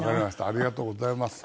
ありがとうございます。